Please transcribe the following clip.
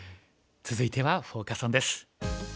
続いてはフォーカス・オンです。